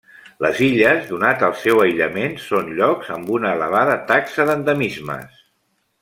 Les illes, donat el seu aïllament, són llocs amb una elevada taxa d'endemismes.